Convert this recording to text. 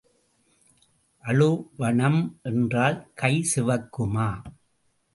அழுவணம் என்றால் கை சிவக்குமா?